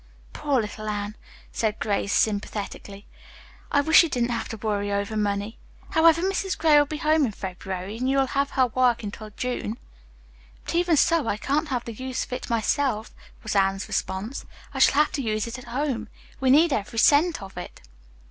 "Poor little Anne," said Grace sympathetically. "I wish you didn't have to worry over money. However, Mrs. Gray will be home in February, and you'll have her work until June." "But even so, I can't have the use of it myself," was Anne's response. "I shall have to use it at home. We need every cent of it."